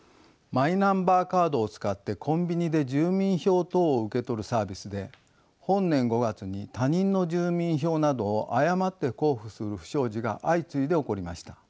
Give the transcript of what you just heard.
マイナンバーカードを使ってコンビニで住民票等を受け取るサービスで本年５月に他人の住民票などを誤って交付する不祥事が相次いで起こりました。